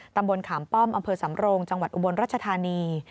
ตำบลขามป้อมอำเภอสำโรงจังหวัดอุบลรัชธานี